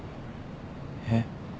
えっ。